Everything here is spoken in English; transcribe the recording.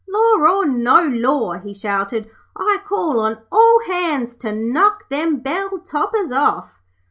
'Law or no law,' he shouted, 'I call on all hands to knock them bell toppers off.'